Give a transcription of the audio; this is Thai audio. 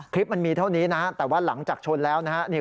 คลิปมันมีเท่านี้นะแต่ว่าหลังจากชนแล้วนะฮะ